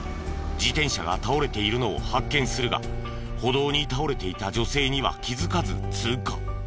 自転車が倒れているのを発見するが歩道に倒れていた女性には気づかず通過。